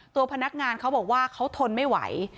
ตัวพนักงานเขาบอกว่าเขาทนไม่ไหว